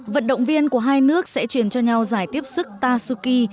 vận động viên của hai nước sẽ chuyển cho nhau giải tiếp sức tatsuki